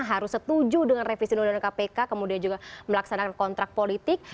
harus setuju dengan revisi undang undang kpk kemudian juga melaksanakan kontrak politik